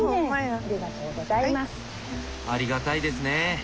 ありがたいですね。